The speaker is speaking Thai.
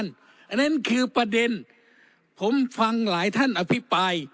อันนั้นคือประเด็นผมฟังหลายท่านอภิปราย